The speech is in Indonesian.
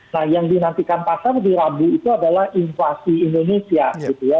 nah yang dinantikan pasar di rabu itu adalah inflasi indonesia gitu ya